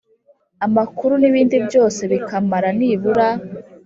Amakuru n ibindi byose bikamara nibura